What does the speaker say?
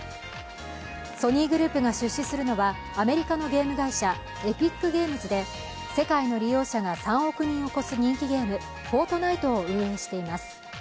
ソニーグループが出資するのはアメリカのゲーム会社、エピックゲームズで世界の利用者が３億人を超す人気ゲーム「フォートナイト」を運営しています。